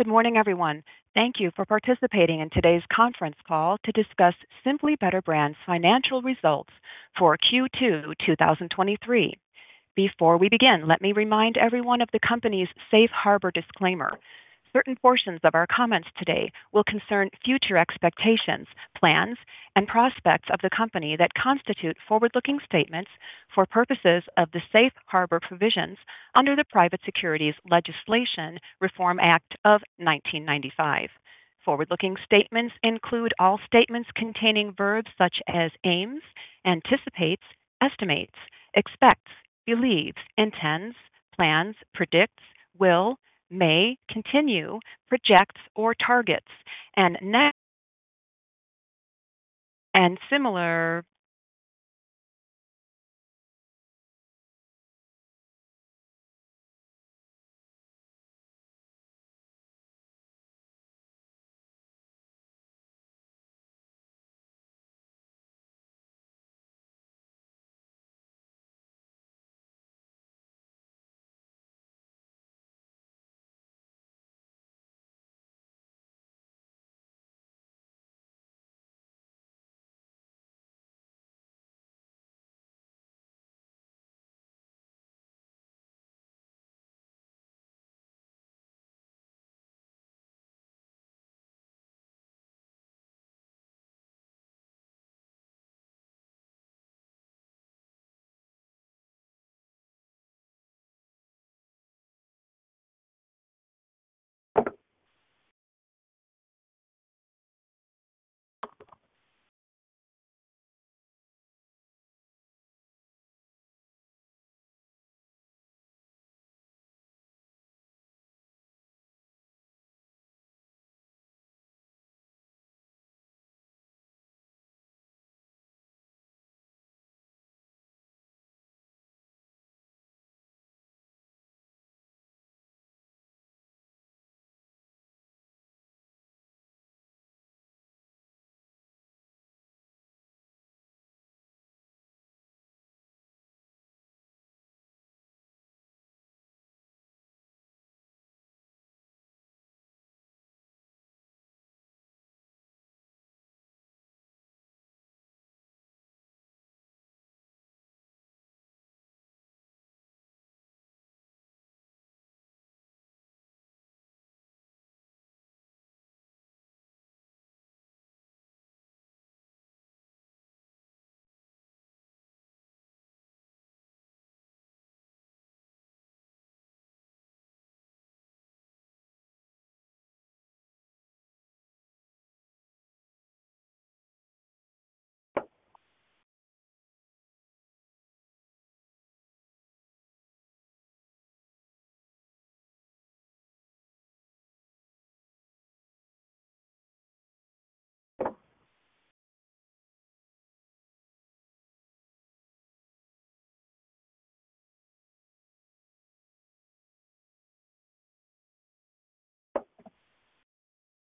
Good morning, everyone. Thank you for participating in today's conference call to discuss Simply Better Brands' financial results for Q2 2023. Before we begin, let me remind everyone of the company's Safe Harbor disclaimer. Certain portions of our comments today will concern future expectations, plans, and prospects of the company that constitute forward-looking statements for purposes of the Safe Harbor provisions under the Private Securities Litigation Reform Act of 1995. Forward-looking statements include all statements containing verbs such as aims, anticipates, estimates, expects, believes, intends, plans, predicts, will, may, continue, projects, or targets, and similar.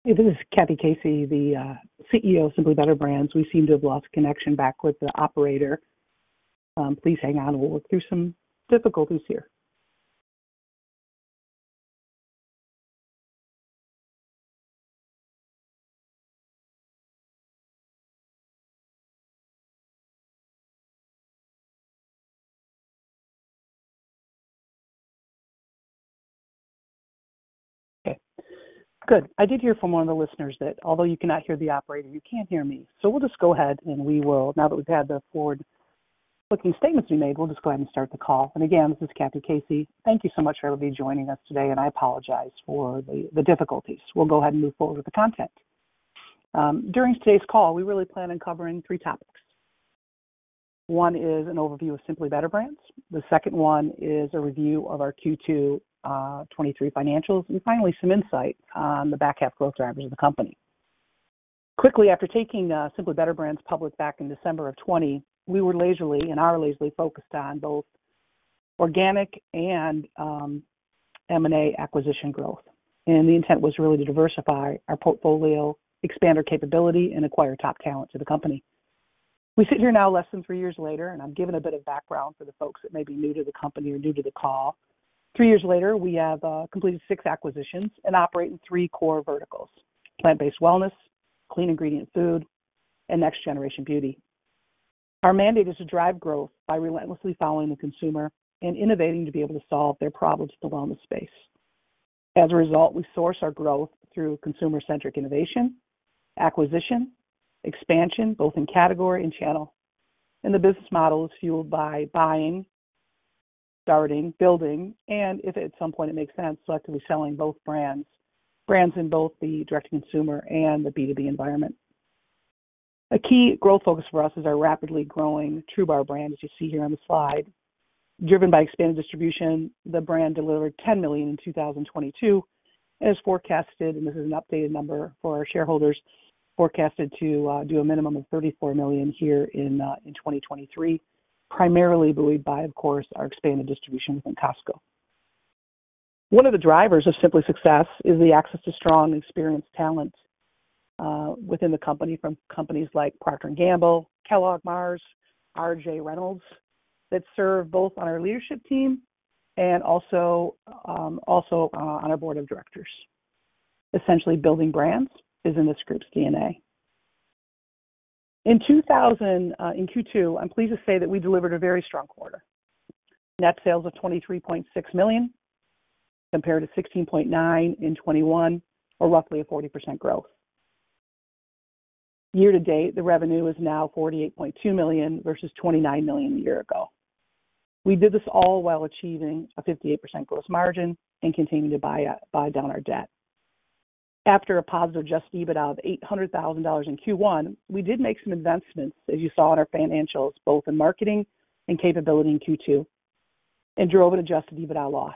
This is Kathy Casey, the CEO of Simply Better Brands. We seem to have lost connection back with the operator. Please hang on. We'll work through some difficulties here. Okay, good. I did hear from one of the listeners that although you cannot hear the operator, you can hear me. We'll just go ahead and start the call now that we've had the forward-looking statements we made. Again, this is Kathy Casey. Thank you so much for everybody joining us today, and I apologize for the difficulties. We'll go ahead and move forward with the content. During today's call, we really plan on covering three topics. One is an overview of Simply Better Brands. The second one is a review of our Q2 2023 financials, and finally, some insight on the back half growth drivers of the company. Quickly, after taking Simply Better Brands public back in December of 2020, we were laser, and are laser focused on both organic and M&A acquisition growth. And the intent was really to diversify our portfolio, expand our capability, and acquire top talent to the company. We sit here now less than three years later, and I'm giving a bit of background for the folks that may be new to the company or new to the call. Three years later, we have completed six acquisitions and operate in three core verticals: plant-based wellness, clean ingredient food, and next-generation beauty. Our mandate is to drive growth by relentlessly following the consumer and innovating to be able to solve their problems in the wellness space. As a result, we source our growth through consumer-centric innovation, acquisition, expansion, both in category and channel. The business model is fueled by buying, starting, building, and if at some point it makes sense, selectively selling both brands. Brands in both the direct-to-consumer and the B2B environment. A key growth focus for us is our rapidly growing TRUBAR brand, as you see here on the slide. Driven by expanded distribution, the brand delivered 10 million in 2022, and is forecasted, and this is an updated number for our shareholders, forecasted to do a minimum of 34 million here in 2023, primarily buoyed by, of course, our expanded distributions in Costco. One of the drivers of Simply success is the access to strong, experienced talent within the company, from companies like Procter & Gamble, Kellogg, Mars, R.J. Reynolds, that serve both on our leadership team and also, also, on our board of directors. Essentially, building brands is in this group's DNA. In 2022, in Q2, I'm pleased to say that we delivered a very strong quarter. Net sales of 23.6 million, compared to 16.9 million in 2021, or roughly a 40% growth. Year-to-date, the revenue is now $48.2 million versus $29 million a year ago. We did this all while achieving a 58% gross margin and continuing to buy down our debt. After a positive Adjusted EBITDA of $800,000 in Q1, we did make some investments, as you saw in our financials, both in marketing and capability in Q2, and drove an Adjusted EBITDA loss,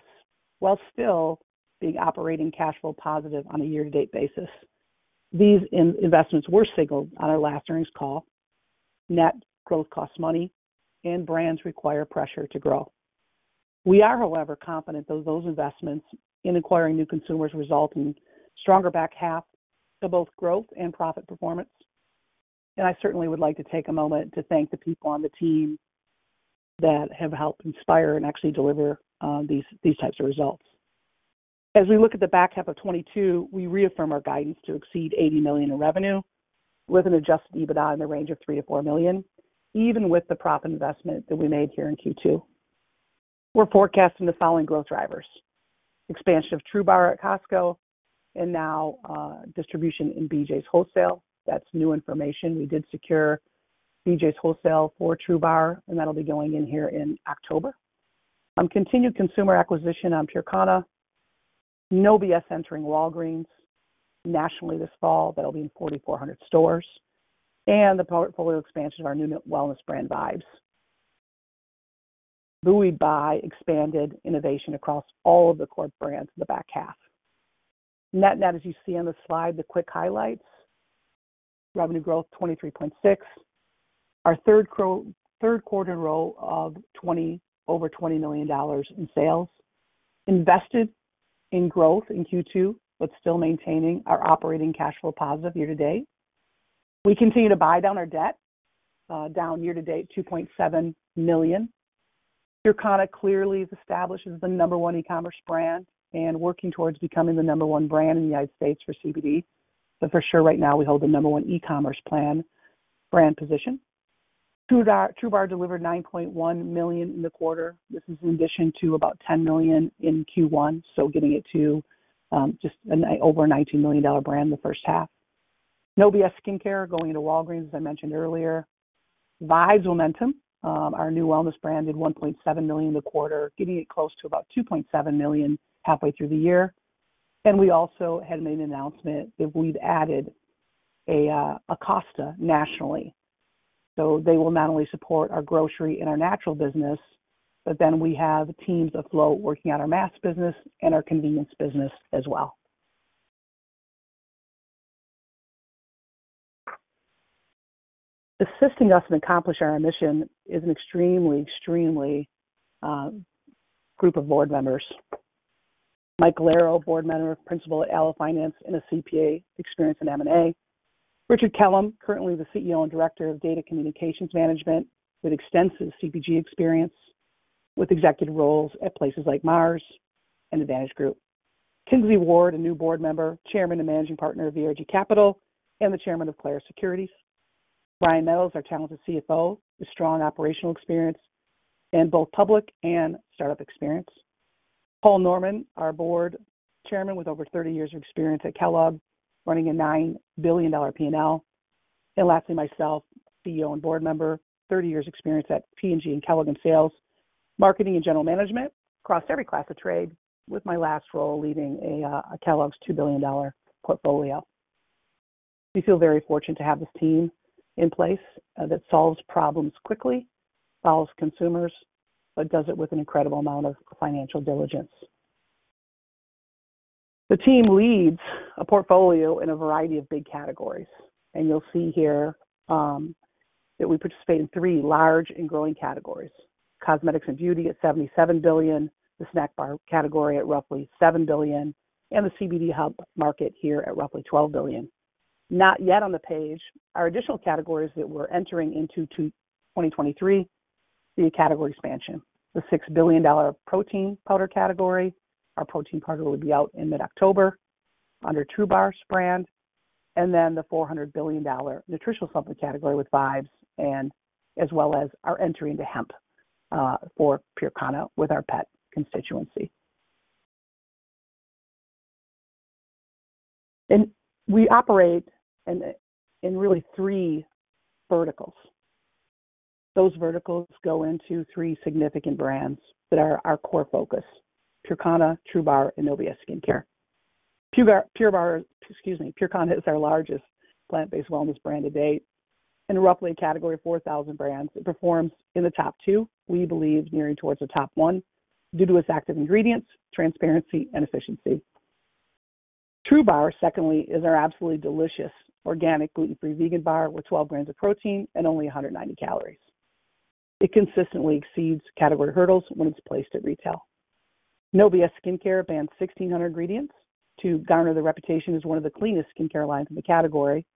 while still being operating cash flow positive on a year-to-date basis. These investments were signaled on our last earnings call. Net growth costs money and brands require pressure to grow. We are, however, confident that those investments in acquiring new consumers result in stronger back half to both growth and profit performance. I certainly would like to take a moment to thank the people on the team that have helped inspire and actually deliver these types of results. As we look at the back half of 2022, we reaffirm our guidance to exceed $80 million in revenue, with an adjusted EBITDA in the range of $3 million-$4 million, even with the promo investment that we made here in Q2. We're forecasting the following growth drivers: expansion of TRUBAR at Costco and now distribution in BJ's Wholesale. That's new information. We did secure BJ's Wholesale for TRUBAR, and that'll be going in here in October. Continued consumer acquisition on PureKana, No B.S. entering Walgreens nationally this fall. That'll be in 4,400 stores, and the portfolio expansion of our new wellness brand, Vibes. Buoyed by expanded innovation across all of the core brands in the back half. Net-net, as you see on the slide, the quick highlights. Revenue growth, 23.6%. Our third quarter in a row of 20, over $20 million in sales. Invested in growth in Q2, but still maintaining our operating cash flow positive year to date. We continue to buy down our debt, down year to date, $2.7 million. PureKana clearly is established as the number one e-commerce brand, and working towards becoming the number one brand in the United States for CBD. But for sure, right now we hold the number one e-commerce plant-based brand position. TRUBAR, TRUBAR delivered $9.1 million in the quarter. This is in addition to about $10 million in Q1, so getting it to, just over $19 million dollar brand the first half. No B.S. Skincare going into Walgreens, as I mentioned earlier. Vibes momentum, our new wellness brand, did $1.7 million in the quarter, getting it close to about $2.7 million halfway through the year. We also had made an announcement that we've added a Costco nationally. So they will not only support our grocery and our natural business, but then we have teams of folks working on our mass business and our convenience business as well. Assisting us and accomplish our mission is an extremely, extremely group of board members. Michael Galloro, Board Member, Principal at Aloe Finance, and a CPA experience in M&A. Richard Kellam, currently the CEO and Director of Data Communications Management, with extensive CPG experience, with executive roles at places like Mars and Advantage Group. Kingsley Ward, a new board member, Chairman and Managing Partner of VRG Capital, and the Chairman of Clarus Securities. Brian Meadows, our talented CFO, with strong operational experience in both public and startup experience. Paul Norman, our board chairman, with over 30 years of experience at Kellogg, running a $9 billion P&L. And lastly, myself, CEO and board member, 30 years experience at P&G and Kellogg in sales, marketing, and general management across every class of trade, with my last role leading a Kellogg's $2 billion portfolio. We feel very fortunate to have this team in place that solves problems quickly, solves consumers, but does it with an incredible amount of financial diligence. The team leads a portfolio in a variety of big categories, and you'll see here that we participate in three large and growing categories: cosmetics and beauty at $77 billion, the snack bar category at roughly $7 billion, and the CBD health market here at roughly $12 billion. Not yet on the page are additional categories that we're entering into 2023 via category expansion. The $6 billion protein powder category. Our protein powder will be out in mid-October under TRUBAR's brand, and then the $400 billion nutritional supplement category with Vibes and as well as our entry into hemp for PureKana with our pet constituency. And we operate in really three verticals. Those verticals go into three significant brands that are our core focus: PureKana, TRUBAR, and No B.S. Skincare. PureKana, excuse me, PureKana is our largest plant-based wellness brand to date. In a roughly category of 4,000 brands, it performs in the top two, we believe, nearing towards the top one, due to its active ingredients, transparency, and efficiency. TRUBAR, secondly, is our absolutely delicious organic, gluten-free, vegan bar with 12 grams of protein and only 190 calories. It consistently exceeds category hurdles when it's placed at retail. No B.S. Skincare bans 1,600 ingredients to garner the reputation as one of the cleanest skincare lines in the category.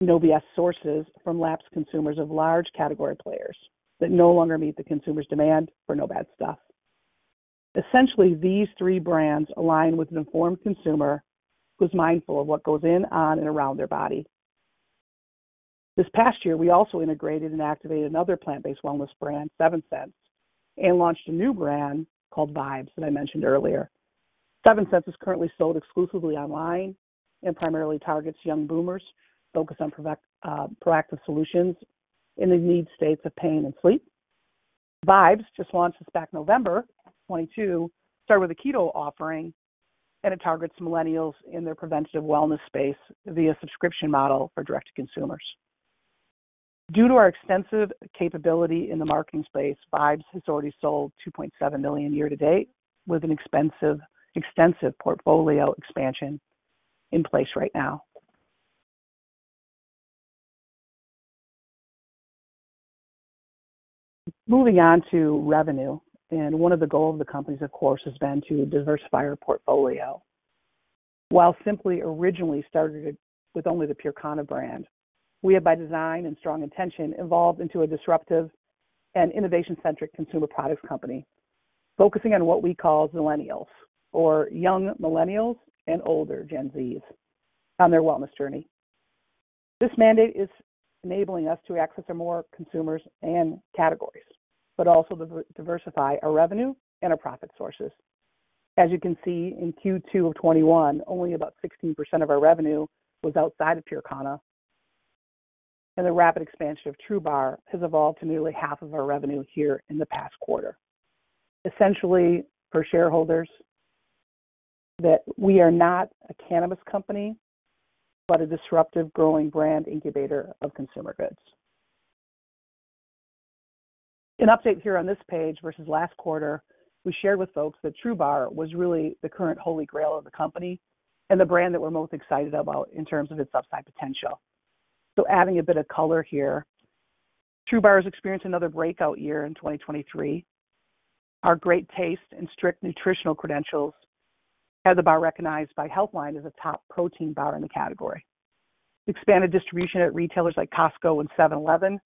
No B.S. sources from lapsed consumers of large category players that no longer meet the consumer's demand for no bad stuff. Essentially, these three brands align with an informed consumer who's mindful of what goes in, on, and around their body. This past year, we also integrated and activated another plant-based wellness brand, Seventh Sense, and launched a new brand called Vibes, that I mentioned earlier. Seventh Sense is currently sold exclusively online and primarily targets young boomers focused on proactive solutions in the need states of pain and sleep. Vibes just launched this back in November 2022, started with a keto offering, and it targets millennials in their preventative wellness space via subscription model for direct to consumers. Due to our extensive capability in the marketing space, Vibes has already sold 2.7 million year to date, with an expansive, extensive portfolio expansion in place right now. Moving on to revenue, and one of the goals of the company, of course, has been to diversify our portfolio. While Simply originally started with only the PureKana brand, we have, by design and strong intention, evolved into a disruptive and innovation-centric consumer products company, focusing on what we call Zillennials, or young millennials and older Gen Zs on their wellness journey. This mandate is enabling us to access more consumers and categories, but also diversify our revenue and our profit sources. As you can see, in Q2 of 2021, only about 16% of our revenue was outside of PureKana, and the rapid expansion of TRUBAR has evolved to nearly half of our revenue here in the past quarter. Essentially, for shareholders, that we are not a cannabis company, but a disruptive growing brand incubator of consumer goods. An update here on this page versus last quarter, we shared with folks that TRUBAR was really the current holy grail of the company and the brand that we're most excited about in terms of its upside potential. So adding a bit of color here, TRUBAR has experienced another breakout year in 2023. Our great taste and strict nutritional credentials had the bar recognized by Healthline as a top protein bar in the category. Expanded distribution at retailers like Costco and 7-Eleven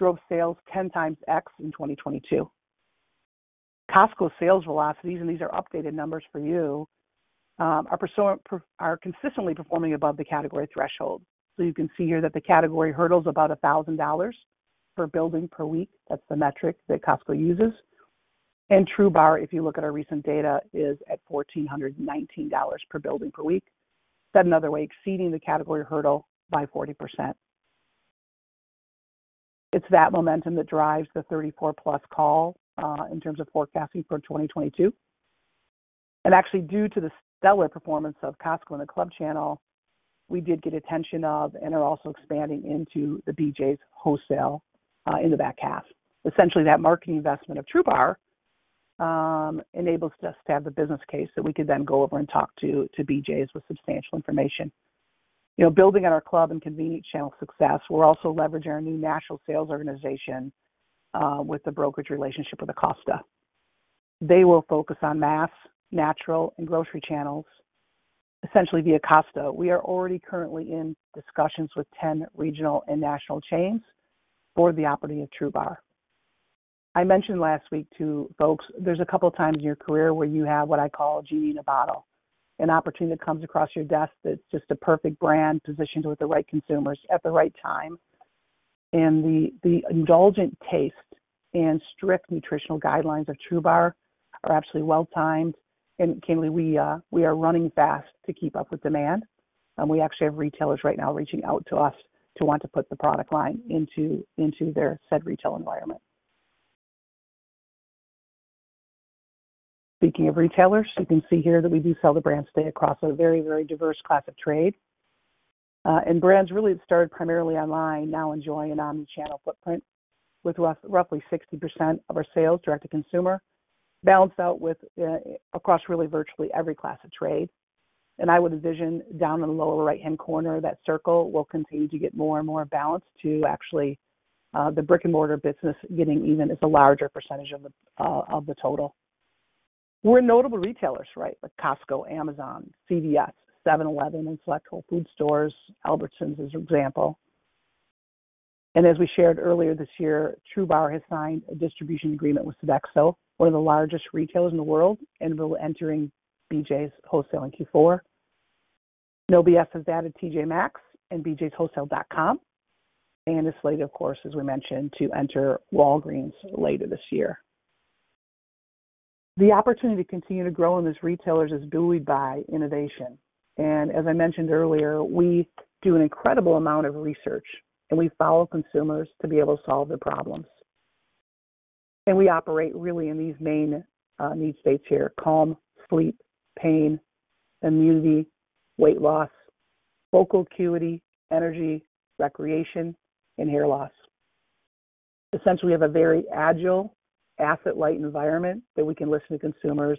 drove sales 10x in 2022. Costco sales velocities, and these are updated numbers for you, are consistently performing above the category threshold. So you can see here that the category hurdle is about $1,000 per building per week. That's the metric that Costco uses. And TRUBAR, if you look at our recent data, is at $1,419 per building per week. Said another way, exceeding the category hurdle by 40%. It's that momentum that drives the 34+ call in terms of forecasting for 2022. And actually, due to the stellar performance of Costco and the club channel, we did get attention of and are also expanding into the BJ's Wholesale in the back half. Essentially, that marketing investment of TRUBAR enables us to have the business case that we could then go over and talk to, to BJ's with substantial information. You know, building on our club and convenient channel success, we're also leveraging our new national sales organization with the brokerage relationship with Acosta. They will focus on mass, natural, and grocery channels, essentially via Acosta. We are already currently in discussions with 10 regional and national chains for the opportunity of TRUBAR. I mentioned last week to folks, there's a couple of times in your career where you have what I call a genie in a bottle, an opportunity that comes across your desk that's just a perfect brand positioned with the right consumers at the right time. And the indulgent taste and strict nutritional guidelines of TRUBAR are actually well-timed. Clearly, we are running fast to keep up with demand, and we actually have retailers right now reaching out to us to want to put the product line into their said retail environment. Speaking of retailers, you can see here that we do sell the brands today across a very diverse class of trade. And brands really that started primarily online now enjoy an omnichannel footprint, with roughly 60% of our sales direct to consumer, balanced out with across really virtually every class of trade. I would envision down in the lower right-hand corner that circle will continue to get more and more balanced to actually the brick-and-mortar business getting even as a larger percentage of the total. We're in notable retailers, right? Like Costco, Amazon, CVS, 7-Eleven, and select health food stores, Albertsons, as an example. As we shared earlier this year, TRUBAR has signed a distribution agreement with Sodexo, one of the largest retailers in the world, and will be entering BJ's Wholesale in Q4. No B.S. has added T.J. Maxx and bjswholesale.com, and a slate, of course, as we mentioned, to enter Walgreens later this year. The opportunity to continue to grow in these retailers is buoyed by innovation. As I mentioned earlier, we do an incredible amount of research, and we follow consumers to be able to solve their problems. We operate really in these main need states here: calm, sleep, pain, immunity, weight loss, focal acuity, energy, recreation, and hair loss. Essentially, we have a very agile, asset-light environment that we can listen to consumers.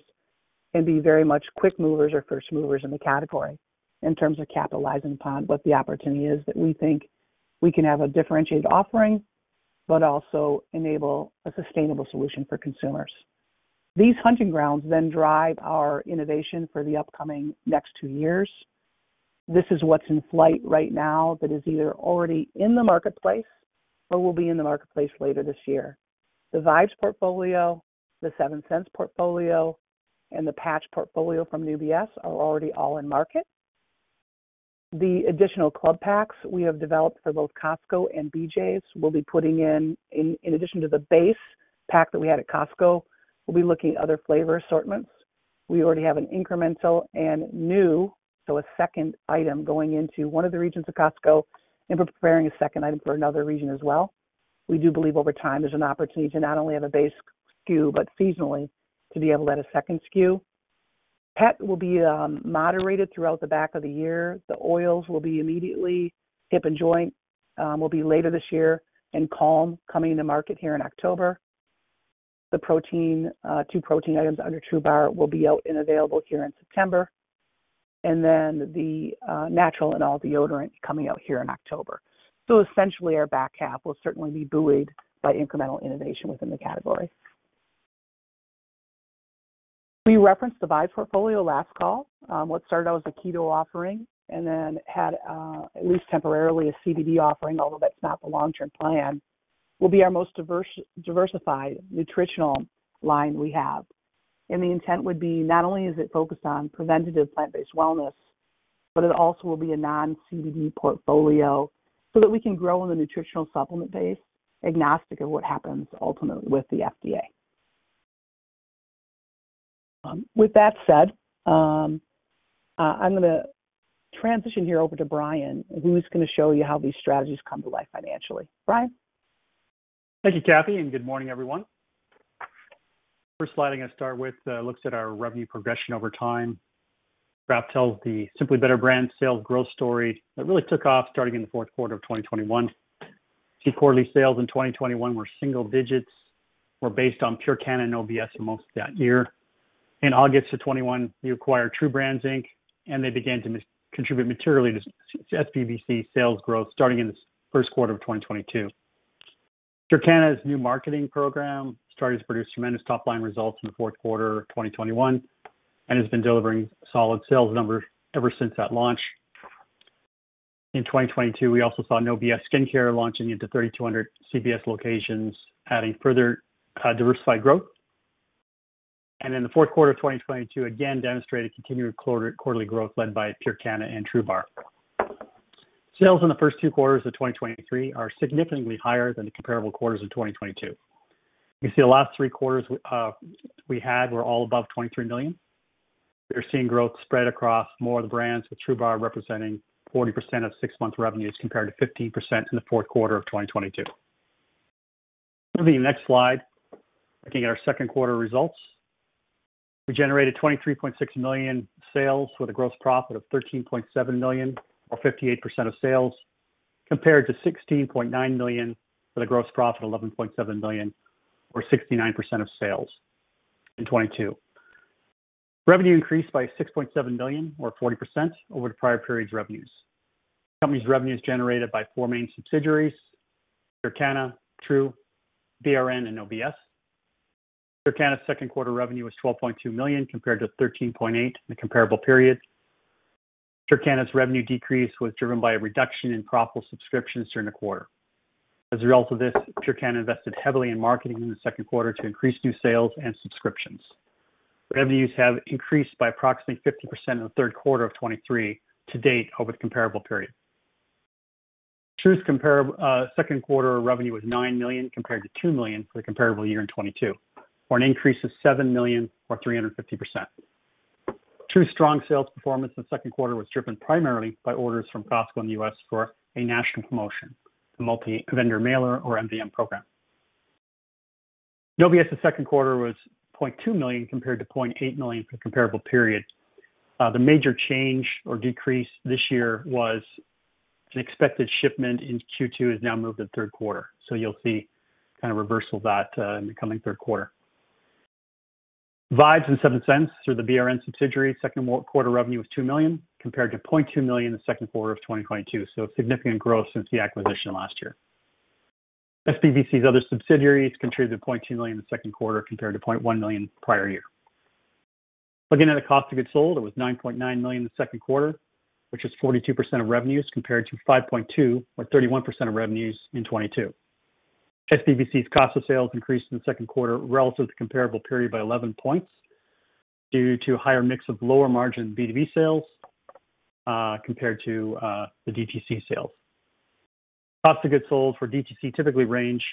and be very much quick movers or first movers in the category in terms of capitalizing upon what the opportunity is, that we think we can have a differentiated offering, but also enable a sustainable solution for consumers. These hunting grounds then drive our innovation for the upcoming next two years. This is what's in flight right now that is either already in the marketplace or will be in the marketplace later this year. The Vibes portfolio, the Seventh Sense portfolio, and the Patch portfolio from No B.S. are already all in market. The additional club packs we have developed for both Costco and BJ's will be putting in, in addition to the base pack that we had at Costco, we'll be looking at other flavor assortments. We already have an incremental and new, so a second item going into one of the regions of Costco and preparing a second item for another region as well. We do believe over time there's an opportunity to not only have a base SKU, but seasonally to be able to add a second SKU. Pet will be moderated throughout the back half of the year. The oils will be immediately, hip and joint will be later this year, and calm coming into market here in October. The protein two protein items under TRUBAR will be out and available here in September. And then the natural and aluminum-free deodorant coming out here in October. So essentially, our back half will certainly be buoyed by incremental innovation within the category. We referenced the Vibes portfolio last call. What started out as a keto offering and then had, at least temporarily, a CBD offering, although that's not the long-term plan, will be our most diversified nutritional line we have. And the intent would be not only is it focused on preventative plant-based wellness, but it also will be a non-CBD portfolio, so that we can grow in the nutritional supplement base, agnostic of what happens ultimately with the FDA. With that said, I'm gonna transition here over to Brian, who's gonna show you how these strategies come to life financially. Brian? Thank you, Kathy, and good morning, everyone. First slide I'm gonna start with looks at our revenue progression over time. Graph tells the Simply Better Brands sales growth story, that really took off starting in the fourth quarter of 2021. Quarterly sales in 2021 were single digits, were based on PureKana and No B.S. for most of that year. In August of 2021, we acquired TRU Brands, Inc., and they began to contribute materially to SBBC sales growth, starting in the first quarter of 2022. PureKana's new marketing program started to produce tremendous top-line results in the fourth quarter of 2021 and has been delivering solid sales numbers ever since that launch. In 2022, we also saw No B.S. skincare launching into 3,200 CVS locations, adding further diversified growth. In the fourth quarter of 2022, again demonstrated continued quarterly growth led by PureKana and TRUBAR. Sales in the first 2 quarters of 2023 are significantly higher than the comparable quarters of 2022. You see the last 3 quarters, we were all above 23 million. We're seeing growth spread across more of the brands, with TRUBAR representing 40% of 6-month revenues, compared to 15% in the fourth quarter of 2022. Moving to the next slide, looking at our second quarter results. We generated 23.6 million sales, with a gross profit of 13.7 million, or 58% of sales, compared to 16.9 million, with a gross profit of 11.7 million, or 69% of sales in 2022. Revenue increased by 6.7 million, or 40%, over the prior period's revenues. Company's revenues generated by four main subsidiaries, PureKana, TRU, BRN, and No B.S. PureKana's second quarter revenue was $12.2 million, compared to $13.8 million in the comparable period. PureKana's revenue decrease was driven by a reduction in profitable subscriptions during the quarter. As a result of this, PureKana invested heavily in marketing in the second quarter to increase new sales and subscriptions. Revenues have increased by approximately 50% in the third quarter of 2023 to date over the comparable period. TRU's comparable second quarter revenue was $9 million, compared to $2 million for the comparable year in 2022, or an increase of $7 million or 350%. TRU's strong sales performance in the second quarter was driven primarily by orders from Costco in the U.S. for a national promotion, the Multi-Vendor Mailer, or MVM program. No B.S. second quarter was 0.2 million, compared to 0.8 million for the comparable period. The major change or decrease this year was an expected shipment in Q2, is now moved to the third quarter. So you'll see kind of reversal of that, in the coming third quarter. Vibes and Seventh Sense or the BRN subsidiary, second quarter revenue was 2 million, compared to 0.2 million in the second quarter of 2022. So significant growth since the acquisition last year. SBBC's other subsidiaries contributed to 0.2 million in the second quarter, compared to 0.1 million prior year. Looking at the cost of goods sold, it was 9.9 million in the second quarter, which is 42% of revenues, compared to 5.2 or 31% of revenues in 2022. SBBC's cost of sales increased in the second quarter relative to comparable period by 11 points, due to higher mix of lower margin B2B sales, compared to, the DTC sales. Margins for DTC typically range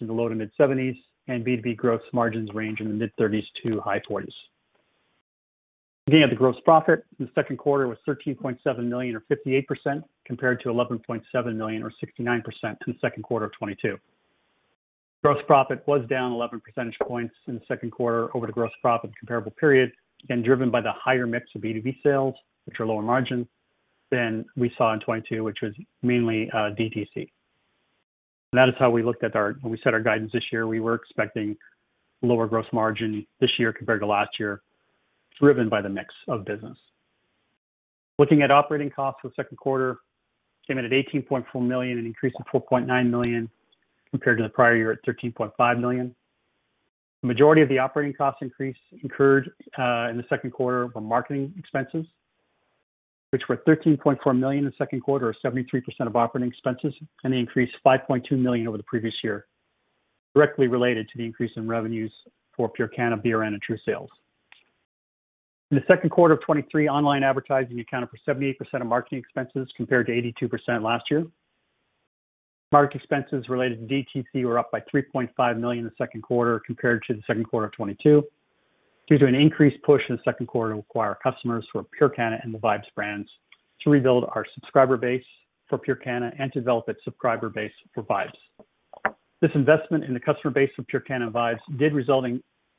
in the low-to-mid 70s%, and B2B gross margins range in the mid-30s% to high 40s%. Looking at the gross profit, the second quarter was 13.7 million, or 58%, compared to 11.7 million or 69% in the second quarter of 2022. Gross profit was down 11 percentage points in the second quarter over the gross profit comparable period, again, driven by the higher mix of B2B sales, which are lower margin than we saw in 2022, which was mainly DTC. That is how we looked at our when we set our guidance this year, we were expecting lower gross margin this year compared to last year. It's driven by the mix of business. Looking at operating costs for the second quarter, came in at 18.4 million, an increase of 4.9 million compared to the prior year at 13.5 million. The majority of the operating cost increase incurred in the second quarter were marketing expenses, which were 13.4 million in the second quarter, or 73% of operating expenses, and they increased 5.2 million over the previous year, directly related to the increase in revenues for PureKana, BRN, and TRU sales. In the second quarter of 2023, online advertising accounted for 78% of marketing expenses, compared to 82% last year. Marketing expenses related to DTC were up by $3.5 million in the second quarter compared to the second quarter of 2022, due to an increased push in the second quarter to acquire customers for PureKana and the Vibes brands to rebuild our subscriber base for PureKana and to develop its subscriber base for Vibes. This investment in the customer base of PureKana and Vibes did result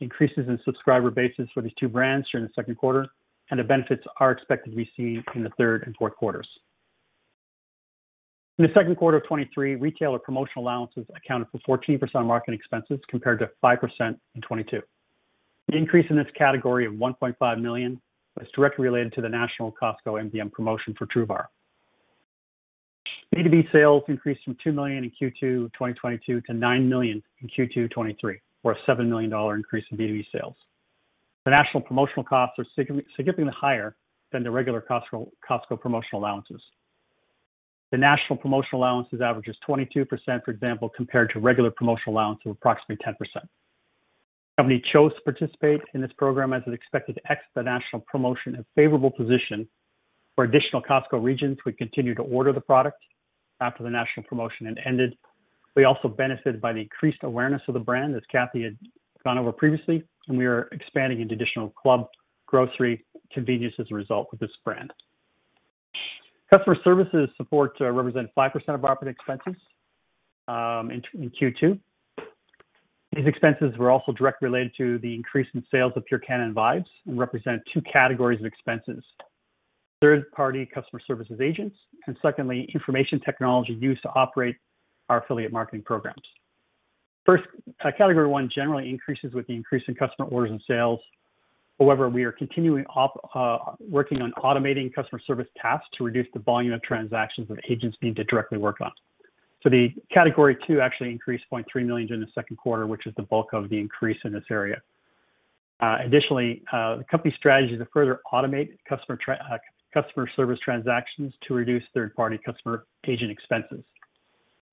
in increases in subscriber bases for these two brands during the second quarter, and the benefits are expected to be seen in the third and fourth quarters. In the second quarter of 2023, retailer promotional allowances accounted for 14% of marketing expenses, compared to 5% in 2022. The increase in this category of $1.5 million was directly related to the national Costco MVM promotion for TRUBAR. B2B sales increased from $2 million in Q2 2022 to $9 million in Q2 2023, or a $7 million increase in B2B sales. The national promotional costs are significantly higher than the regular Costco promotional allowances. The national promotional allowances averages 22%, for example, compared to regular promotional allowance of approximately 10%. The company chose to participate in this program as it expected the national promotion in favorable position for additional Costco regions would continue to order the product after the national promotion had ended. We also benefited by the increased awareness of the brand, as Kathy had gone over previously, and we are expanding into additional club, grocery, convenience as a result with this brand. Customer services support represented 5% of operating expenses in Q2. These expenses were also directly related to the increase in sales of PureKana and Vibes and represent two categories of expenses: third-party customer services agents, and secondly, information technology used to operate our affiliate marketing programs. First, category one generally increases with the increase in customer orders and sales. However, we are continuing working on automating customer service tasks to reduce the volume of transactions that agents need to directly work on. So the category two actually increased 0.3 million during the second quarter, which is the bulk of the increase in this area. Additionally, the company's strategy to further automate customer service transactions to reduce third-party customer agent expenses.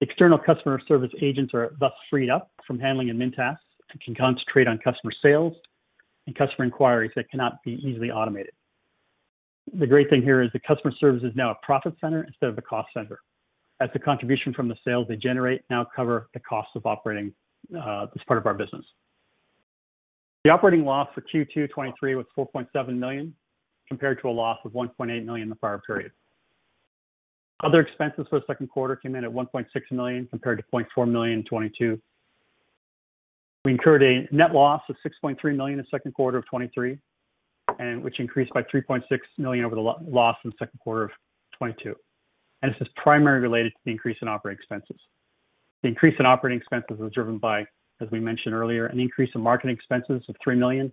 External customer service agents are thus freed up from handling admin tasks and can concentrate on customer sales and customer inquiries that cannot be easily automated. The great thing here is the customer service is now a profit center instead of a cost center, as the contribution from the sales they generate now cover the cost of operating this part of our business. The operating loss for Q2 2023 was 4.7 million, compared to a loss of 1.8 million in the prior period. Other expenses for the second quarter came in at 1.6 million, compared to 0.4 million in 2022. We incurred a net loss of 6.3 million in the second quarter of 2023, which increased by 3.6 million over the loss in the second quarter of 2022. This is primarily related to the increase in operating expenses. The increase in operating expenses was driven by, as we mentioned earlier, an increase in marketing expenses of $3 million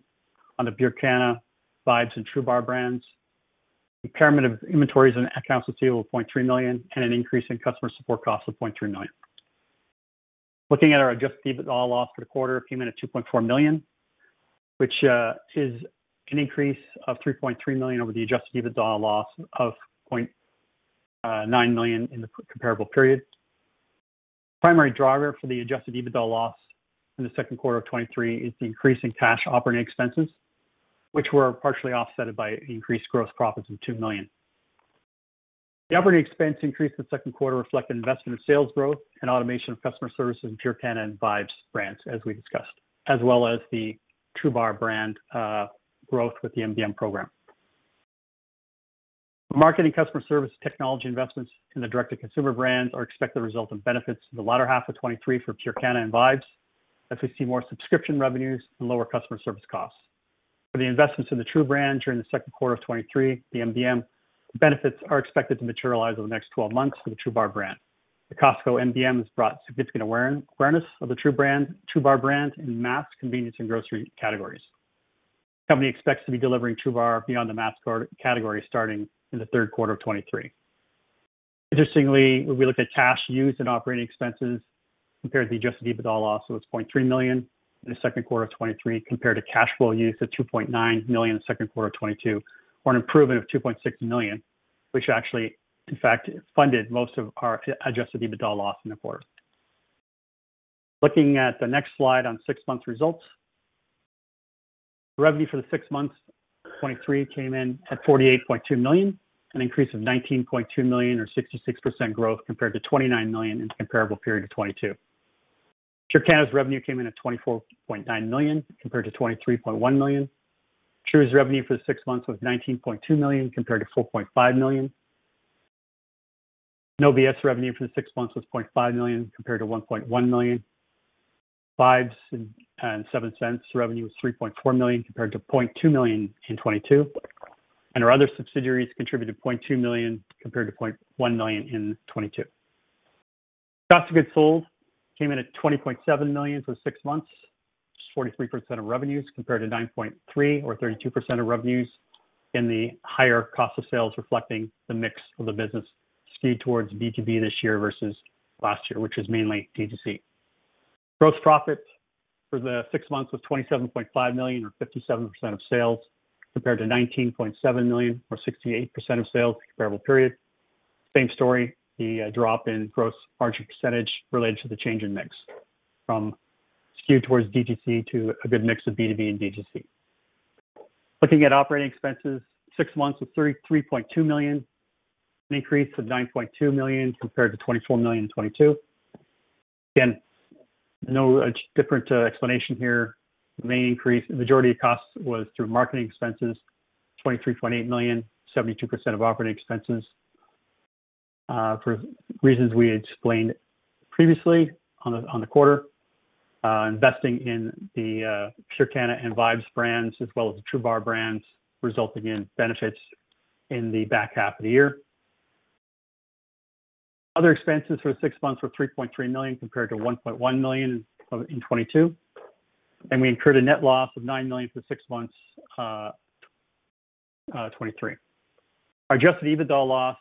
on the PureKana, Vibes, and TRUBAR brands, impairment of inventories and accounts receivable of $0.3 million, and an increase in customer support costs of $0.3 million. Looking at our Adjusted EBITDA loss for the quarter, it came in at $2.4 million, which is an increase of $3.3 million over the Adjusted EBITDA loss of $0.9 million in the comparable period. Primary driver for the Adjusted EBITDA loss in the second quarter of 2023 is the increase in cash operating expenses, which were partially offsetted by increased gross profits of $2 million. The operating expense increase in the second quarter reflected investment in sales growth and automation of customer services in PureKana and Vibes brands, as we discussed, as well as the TRUBAR brand growth with the MVM program. Marketing customer service technology investments in the direct-to-consumer brands are expected to result in benefits in the latter half of 2023 for PureKana and Vibes, as we see more subscription revenues and lower customer service costs. For the investments in the TRUBAR brand during the second quarter of 2023, the MVM benefits are expected to materialize over the next 12 months for the TRUBAR brand. The Costco MVM has brought significant awareness of the TRUBAR brand in mass, convenience, and grocery categories. The company expects to be delivering TRUBAR beyond the mass category starting in the third quarter of 2023. Interestingly, when we look at cash used in operating expenses compared to the Adjusted EBITDA loss, so it's 0.3 million in the second quarter of 2023, compared to cash flow use of 2.9 million in the second quarter of 2022, or an improvement of 2.6 million, which actually, in fact, funded most of our Adjusted EBITDA loss in the quarter. Looking at the next slide on six-month results. Revenue for the six months, 2023 came in at 48.2 million, an increase of 19.2 million, or 66% growth compared to 29 million in the comparable period of 2022. PureKana's revenue came in at 24.9 million, compared to 23.1 million. TRU's revenue for the six months was 19.2 million, compared to 4.5 million. No B.S. revenue for the six months was $0.5 million compared to $1.1 million. Vibes and Seventh Sense revenue was $3.4 million, compared to $0.2 million in 2022. And our other subsidiaries contributed $0.2 million, compared to $0.1 million in 2022. Cost of goods sold came in at $20.7 million for six months, which is 43% of revenues, compared to $9.3 million or 32% of revenues, and the higher cost of sales reflecting the mix of the business skewed towards B2B this year versus last year, which was mainly D2C. Gross profit for the six months was $27.5 million or 57% of sales, compared to $19.7 million or 68% of sales, comparable period. Same story, the drop in gross margin percentage related to the change in mix from skewed towards D2C to a good mix of B2B and D2C. Looking at operating expenses, six months was 33.2 million, an increase of 9.2 million, compared to 24 million in 2022. Again, no different explanation here. The main increase, the majority of costs was through marketing expenses, 23.8 million, 72% of operating expenses. For reasons we had explained previously on the, on the quarter, investing in the PureKana and Vibes brands as well as the TRUBAR brands, resulting in benefits in the back half of the year. Other expenses for six months were 3.3 million, compared to 1.1 million in 2022, and we incurred a net loss of 9 million for six months 2023. Our Adjusted EBITDA loss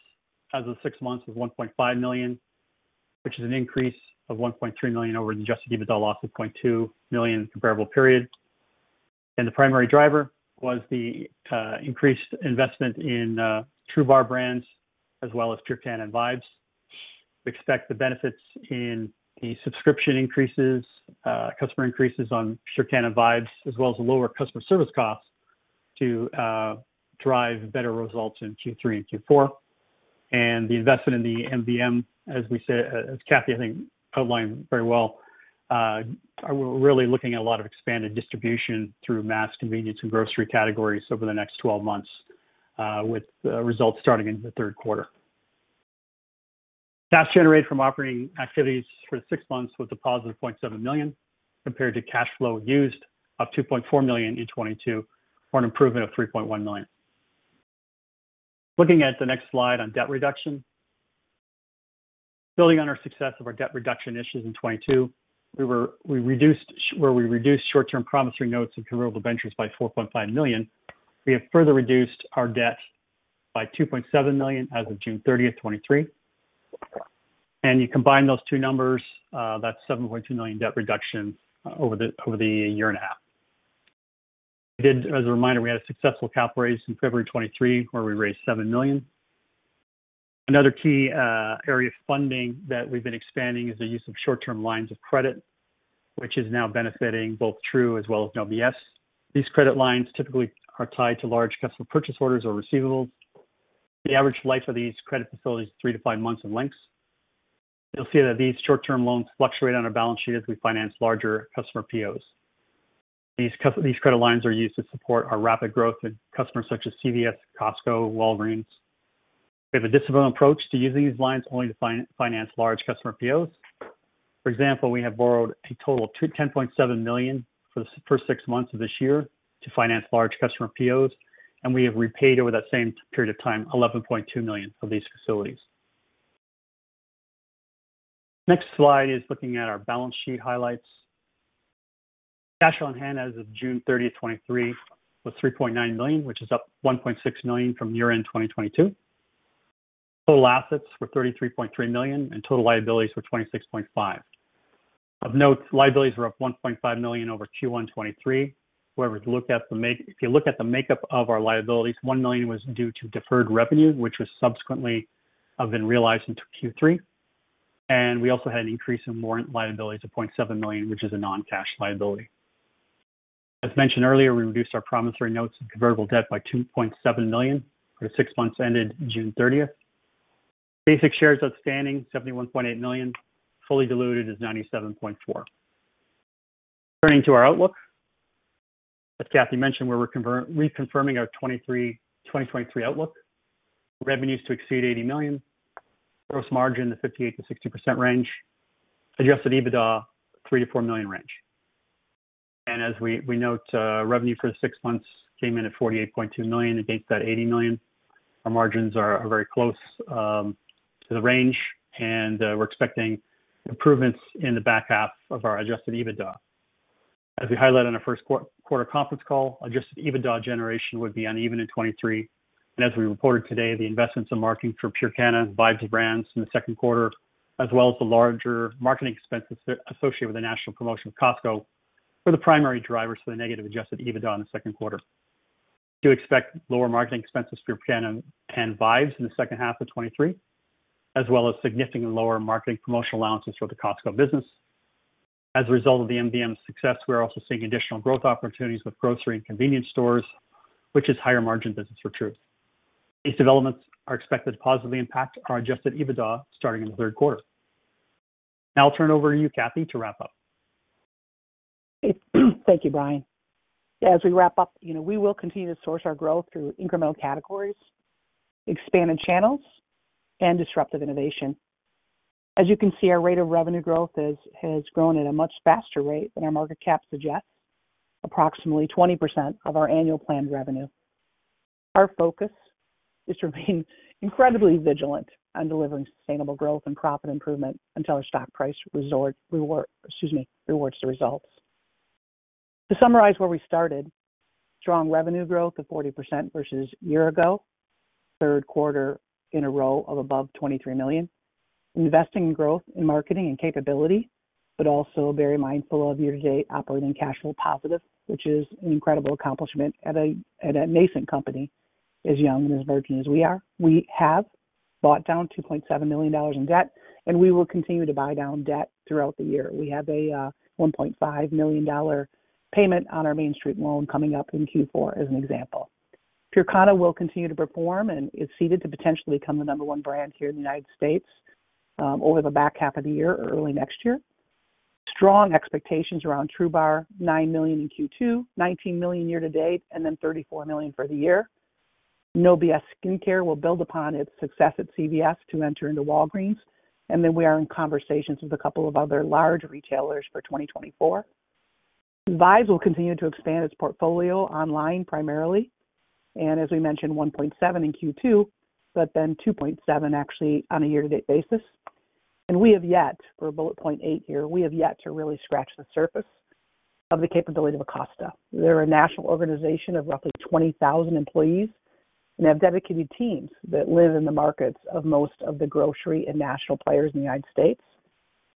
as of six months was $1.5 million, which is an increase of $1.3 million over the Adjusted EBITDA loss of $0.2 million comparable period. The primary driver was the increased investment in TRUBAR brands as well as PureKana and Vibes. We expect the benefits in the subscription increases customer increases on PureKana and Vibes, as well as the lower customer service costs to drive better results in Q3 and Q4. The investment in the MVM, as we said, as Kathy, I think, outlined very well, we're really looking at a lot of expanded distribution through mass, convenience, and grocery categories over the next 12 months, with results starting in the third quarter. Cash generated from operating activities for six months was a positive 0.7 million, compared to cash flow used of 2.4 million in 2022, or an improvement of 3.1 million. Looking at the next slide on debt reduction. Building on our success of our debt reduction initiatives in 2022, we reduced short-term promissory notes and convertible debentures by 4.5 million. We have further reduced our debt by 2.7 million as of June 30, 2023. And you combine those two numbers, that's 7.2 million debt reduction over the year and a half. We did, as a reminder, we had a successful cap raise in February 2023, where we raised 7 million. Another key area of funding that we've been expanding is the use of short-term lines of credit, which is now benefiting both TRU as well as No B.S. These credit lines typically are tied to large customer purchase orders or receivables. The average life of these credit facilities is three-five months in lengths. You'll see that these short-term loans fluctuate on our balance sheet as we finance larger customer POs. These credit lines are used to support our rapid growth in customers such as CVS, Costco, Walgreens. We have a disciplined approach to using these lines only to finance large customer POs. For example, we have borrowed a total of $10.7 million for the first six months of this year to finance large customer POs, and we have repaid over that same period of time, $11.2 million of these facilities. Next slide is looking at our balance sheet highlights. Cash on hand as of June 30, 2023, was 3.9 million, which is up 1.6 million from year-end 2022. Total assets were 33.3 million, and total liabilities were 26.5 million. Of note, liabilities were up 1.5 million over Q1 2023. Whoever looked at the makeup of our liabilities, 1 million was due to deferred revenue, which was subsequently been realized into Q3. And we also had an increase in more liabilities of 0.7 million, which is a non-cash liability. As mentioned earlier, we reduced our promissory notes and convertible debt by 2.7 million for the six months ended June 30, 2023. Basic shares outstanding, 71.8 million. Fully diluted is 97.4 million. Turning to our outlook, as Kathy mentioned, we're reconfirming our 2023 outlook. Revenues to exceed 80 million. Gross margin, the 58%-60% range. Adjusted EBITDA, 3 million-4 million range. And as we note, revenue for the six months came in at 48.2 million against that 80 million. Our margins are very close to the range, and we're expecting improvements in the back half of our Adjusted EBITDA. As we highlighted on our first-quarter conference call, Adjusted EBITDA generation would be uneven in 2023. And as we reported today, the investments in marketing for PureKana and Vibes brands in the second quarter, as well as the larger marketing expenses associated with the national promotion of Costco, were the primary drivers for the negative Adjusted EBITDA in the second quarter. Do expect lower marketing expenses for PureKana and Vibes in the second half of 2023, as well as significantly lower marketing promotional allowances for the Costco business. As a result of the MVM success, we are also seeing additional growth opportunities with grocery and convenience stores, which is higher margin business for TRU. These developments are expected to positively impact our Adjusted EBITDA starting in the third quarter. Now I'll turn it over to you, Kathy, to wrap up. Thank you, Brian. As we wrap up, you know, we will continue to source our growth through incremental categories, expanded channels, and disruptive innovation. As you can see, our rate of revenue growth is, has grown at a much faster rate than our market cap suggests, approximately 20% of our annual planned revenue. Our focus is to remain incredibly vigilant on delivering sustainable growth and profit improvement until our stock price resort, reward, excuse me, rewards the results. To summarize where we started, strong revenue growth of 40% versus year ago, third quarter in a row of above $23 million. Investing in growth in marketing and capability, but also very mindful of year-to-date operating cash flow positive, which is an incredible accomplishment at a, at a nascent company, as young and as virgin as we are. We have bought down $2.7 million in debt, and we will continue to buy down debt throughout the year. We have a one point five million dollar payment on our Main Street loan coming up in Q4 as an example. PureKana will continue to perform and is seeded to potentially become the number one brand here in the United States over the back half of the year or early next year. Strong expectations around TRUBAR, $9 million in Q2, $19 million year to date, and then $34 million for the year. No BS Skincare will build upon its success at CVS to enter into Walgreens, and then we are in conversations with a couple of other large retailers for 2024. Vibes will continue to expand its portfolio online primarily, and as we mentioned, 1.7 in Q2, but then 2.7 actually on a year-to-date basis. We have yet, for bullet point 8 here, we have yet to really scratch the surface of the capability of Acosta. They're a national organization of roughly 20,000 employees and have dedicated teams that live in the markets of most of the grocery and national players in the United States,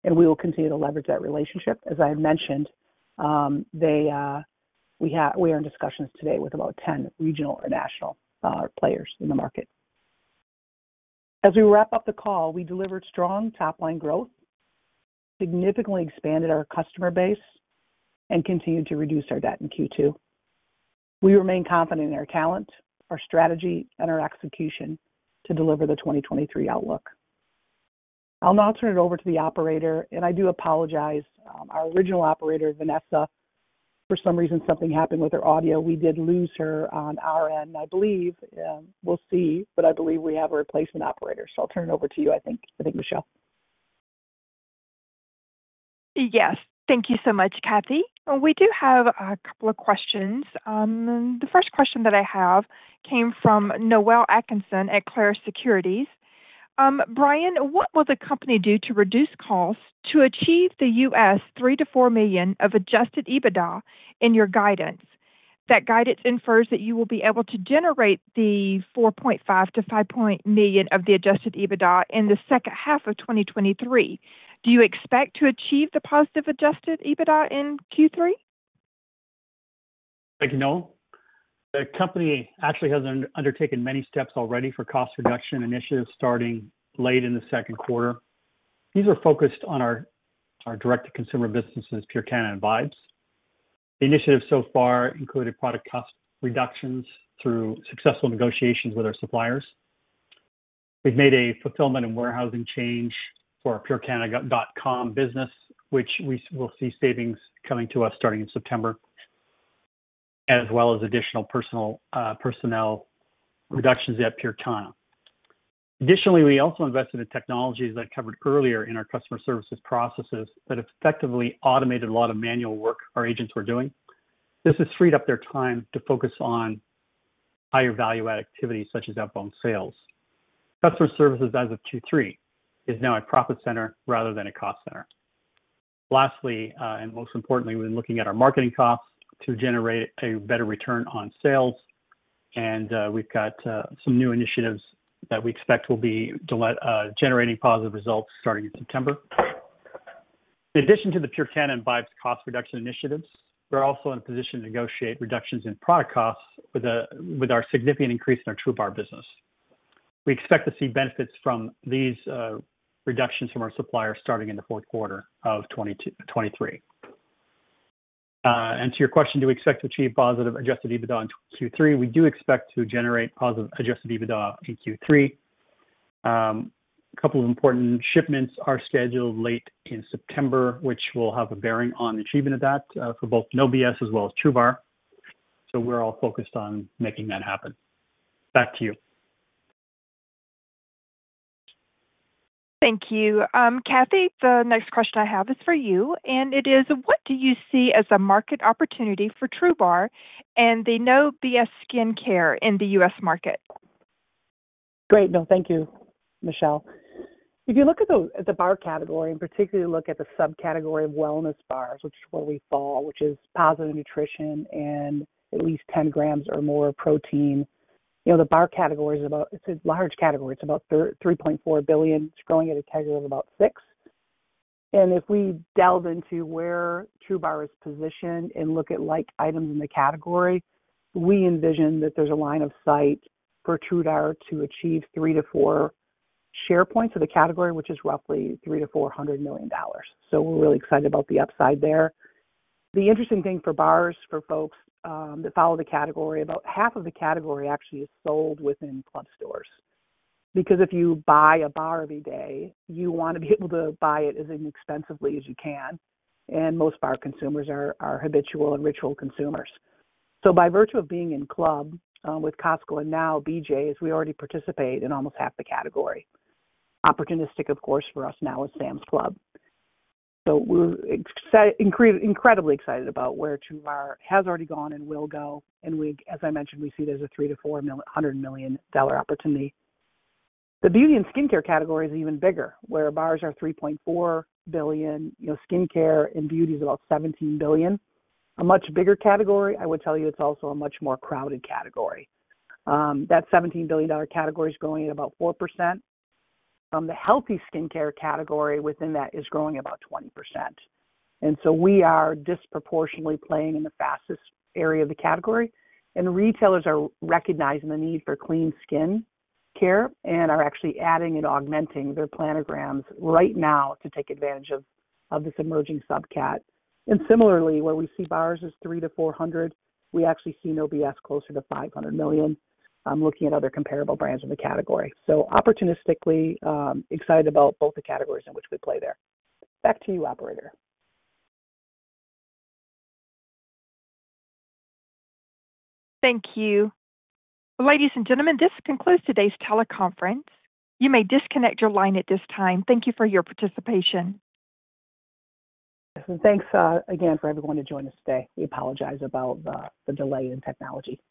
and we will continue to leverage that relationship. As I have mentioned, we are in discussions today with about 10 regional or national players in the market. As we wrap up the call, we delivered strong top-line growth, significantly expanded our customer base, and continued to reduce our debt in Q2. We remain confident in our talent, our strategy, and our execution to deliver the 2023 outlook. I'll now turn it over to the operator, and I do apologize, our original operator, Vanessa, for some reason, something happened with her audio. We did lose her on our end. I believe, we'll see, but I believe we have a replacement operator, so I'll turn it over to you, I think, Michelle. Yes. Thank you so much, Kathy. We do have a couple of questions. The first question that I have came from Noelle Atkinson at Clarus Securities. Brian, what will the company do to reduce costs to achieve the U.S. $3 million-$4 million of Adjusted EBITDA in your guidance? That guidance infers that you will be able to generate the $4.5 million-$5 million of the Adjusted EBITDA in the second half of 2023. Do you expect to achieve the positive Adjusted EBITDA in Q3? Thank you, Noelle. The company actually has undertaken many steps already for cost reduction initiatives starting late in the second quarter. These are focused on our direct-to-consumer businesses, PureKana and Vibes. The initiatives so far included product cost reductions through successful negotiations with our suppliers. We've made a fulfillment and warehousing change for our PureKana.com business, which we will see savings coming to us starting in September, as well as additional personnel reductions at PureKana. Additionally, we also invested in technologies that we covered earlier in our customer service processes that effectively automated a lot of manual work our agents were doing. This has freed up their time to focus on higher value-add activities, such as up-sell sales. Customer service, as of Q3, is now a profit center rather than a cost center. Lastly, and most importantly, we've been looking at our marketing costs to generate a better return on sales, and we've got some new initiatives that we expect will be generating positive results starting in September. In addition to the PureKana and Vibes cost reduction initiatives, we're also in a position to negotiate reductions in product costs with our significant increase in our TRUBAR business. We expect to see benefits from these reductions from our suppliers starting in the fourth quarter of 2023. And to your question, do we expect to achieve positive Adjusted EBITDA in Q3? We do expect to generate positive Adjusted EBITDA in Q3. A couple of important shipments are scheduled late in September, which will have a bearing on the achievement of that, for both No B.S. as well as TRUBAR, so we're all focused on making that happen. Back to you. Thank you. Kathy, the next question I have is for you, and it is: What do you see as a market opportunity for TRUBAR and the No B.S. Skincare in the U.S. market? Great. No, thank you, Michelle. If you look at the bar category, and particularly look at the subcategory of wellness bars, which is where we fall, which is positive nutrition and at least 10 grams or more of protein, you know, the bar category is about. It's a large category. It's about $3.4 billion. It's growing at a CAGR of about 6%. And if we delve into where TRUBAR is positioned and look at like items in the category, we envision that there's a line of sight for TRUBAR to achieve 3-4 share points of the category, which is roughly $300 million-$400 million. So we're really excited about the upside there. The interesting thing for bars, for folks, that follow the category, about half of the category actually is sold within club stores. Because if you buy a bar every day, you want to be able to buy it as inexpensively as you can, and most of our consumers are habitual and ritual consumers. So by virtue of being in club with Costco and now BJ's, we already participate in almost half the category. Opportunistic, of course, for us now is Sam's Club. So we're incredibly excited about where TRUBAR has already gone and will go, and as I mentioned, we see there's a $300 million-$400 million opportunity. The beauty and skincare category is even bigger. Where bars are $3.4 billion, you know, skincare and beauty is about $17 billion. A much bigger category. I would tell you it's also a much more crowded category. That $17 billion category is growing at about 4%, from the healthy skincare category within that is growing about 20%. And so we are disproportionately playing in the fastest area of the category, and retailers are recognizing the need for clean skin care and are actually adding and augmenting their planograms right now to take advantage of this emerging subcat. And similarly, where we see bars as 300-400, we actually see No B.S. closer to $500 million, I'm looking at other comparable brands in the category. So opportunistically, excited about both the categories in which we play there. Back to you, operator. Thank you. Ladies and gentlemen, this concludes today's teleconference. You may disconnect your line at this time. Thank you for your participation. Thanks, again, for everyone to join us today. We apologize about the delay in technology.